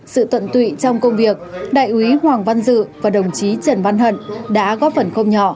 sự tận tụy trong công việc đại úy hoàng văn dự và đồng chí trần văn hận đã góp phần không nhỏ